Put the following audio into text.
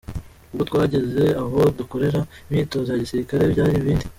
Ubwo twageze aho dukorera imyitozo ya gisirikari, byari ibindi.